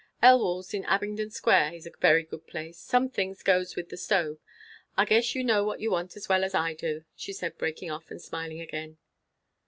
Elwall's in Abingdon Square, is a very good place. Some things goes with the stove. I guess you know what you want as well as I do," she said, breaking off and smiling again.